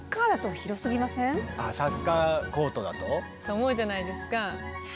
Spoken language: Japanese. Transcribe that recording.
あサッカーコートだと？と思うじゃないですか。